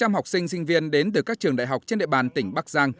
một trăm linh học sinh sinh viên đến từ các trường đại học trên địa bàn tỉnh bắc giang